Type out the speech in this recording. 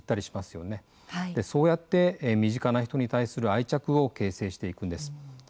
そうやって身近な人に対する愛着を形成していくんです。